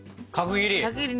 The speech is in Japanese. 角切り。